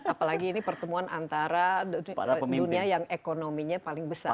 apalagi ini pertemuan antara dunia yang ekonominya paling besar